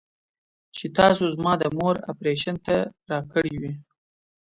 چې تاسو زما د مور اپرېشن ته راکړې وې.